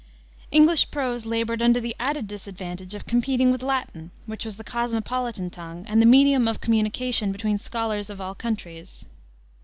English prose labored under the added disadvantage of competing with Latin, which was the cosmopolitan tongue and the medium of communication between scholars of all countries.